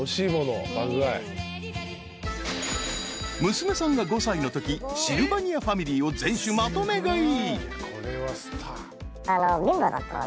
［娘さんが５歳のときシルバニアファミリーを全種まとめ買い］